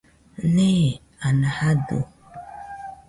Nee, ana jadɨ